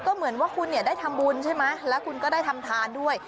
ก็เหมือนว่าคุณเนี่ยได้ทำบุญใช่ไหมแล้วคุณก็ได้ทำทานด้วย